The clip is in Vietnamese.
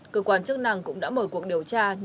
cơ quan chức năng cũng đã mở cuộc điều tra